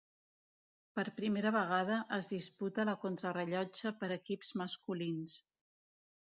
Per primera vegada es disputa la contrarellotge per equips masculins.